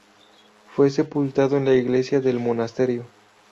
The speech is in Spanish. Fue sepultado en la iglesia del monasterio.